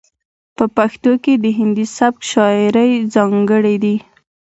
په پښتو کې د هندي سبک شاعرۍ ځاتګړنې دي.